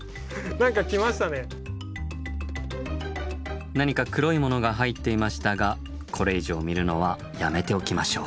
何か黒いものが入っていましたがこれ以上見るのはやめておきましょう。